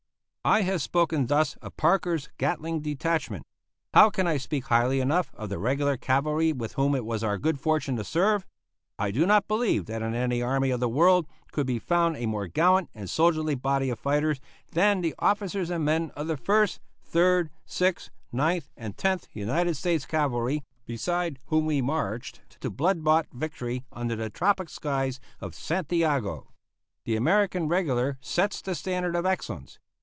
I have spoken thus of Parker's Gatling detachment. How can I speak highly enough of the regular cavalry with whom it was our good fortune to serve? I do not believe that in any army of the world could be found a more gallant and soldierly body of fighters than the officers and men of the First, Third, Sixth, Ninth, and Tenth United States Cavalry, beside whom we marched to blood bought victory under the tropic skies of Santiago. The American regular sets the standard of excellence.